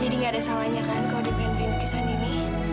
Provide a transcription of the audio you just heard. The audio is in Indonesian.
jadi nggak ada salahnya kan kalau dia pengen beli lukisan ini